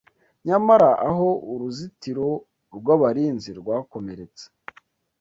Nyamara, aho uruzitiro rwabarinzi rwakomeretse